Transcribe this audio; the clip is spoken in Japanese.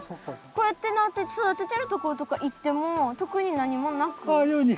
こうやってなって育ててるところとか行っても特に何もなく？